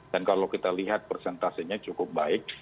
dan kalau kita lihat persentasenya cukup baik